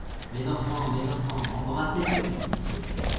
Mes enfants, mes enfants, embrassez-vous ! dit le père.